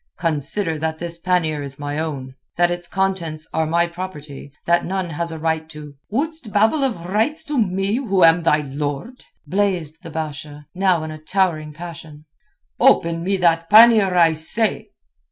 "Consider that this pannier is my own. That its contents are my property; that none has a right to...." "Wouldst babble of rights to me, who am thy lord?" blazed the Basha, now in a towering passion. "Open me that pannier, I say."